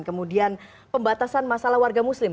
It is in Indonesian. kemudian pembatasan masalah warga muslim